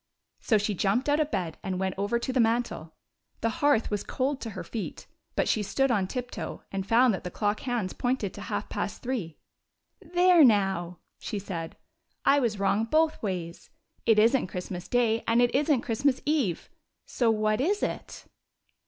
So she jumped out of bed and went over to the mantel. The hearth was cold to her feet, but she stood on tiptoe, and found that the clock hands pointed to half past three. " There, now!" she said, "I was wrong both ways. It is n't Christmas day, and it is n't Christ mas eve! So what is it?"